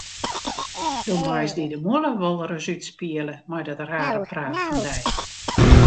Do meist dy de mûle wolris útspiele mei dat rare praat fan dy.